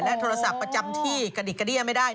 โทรศัพท์ประจำที่กระดิกกระเดี้ยไม่ได้